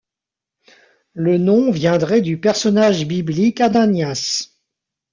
Le nom viendrait du personnage biblique Ananias.